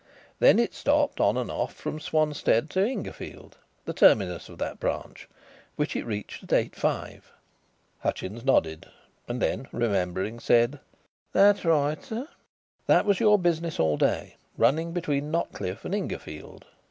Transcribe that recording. Then it stopped on and off from Swanstead to Ingerfield, the terminus of that branch, which it reached at eight five." Hutchins nodded, and then, remembering, said: "That's right, sir." "That was your business all day running between Notcliff and Ingerfield?"